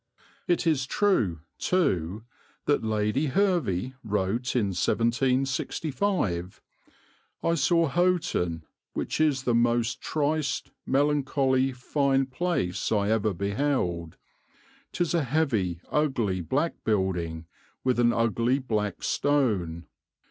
It is true, too, that Lady Hervey wrote in 1765: "I saw Houghton, which is the most triste, melancholy, fine place I ever beheld. 'Tis a heavy, ugly, black building, with an ugly black stone.